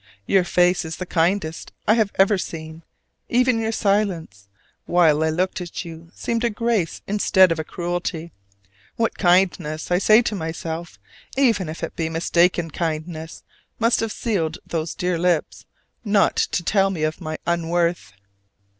Your face is the kindest I have ever seen: even your silence, while I looked at you, seemed a grace instead of a cruelty. What kindness, I say to myself, even if it be mistaken kindness, must have sealed those dear lips not to tell me of my unworth!